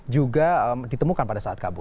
juga ditemukan pada saat kabur